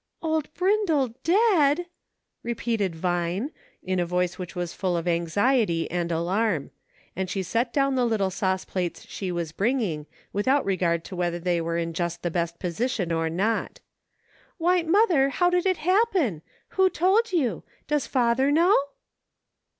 "Old Brindle dead !" repeated Vine, in a voice which was full of anxiety and alarm ; and she set down the little sauce plates she was bringing, with out regard to whether they were in just the best position or not. "Why, mother, how did it hap pen ? Who told you ? Does father know